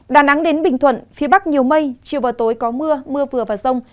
đà nẵng đến bình thuận phía bắc nhiều mây chiều và tối có mưa mưa vừa và rông